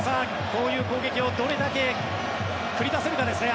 こういう攻撃をどれだけ繰り出せるかですね。